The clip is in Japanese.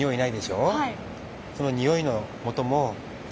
はい。